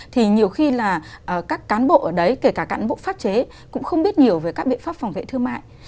thì nhiều khi là các cán bộ ở đấy kể cả cán bộ pháp chế cũng không biết nhiều về các biện pháp phòng vệ thương mại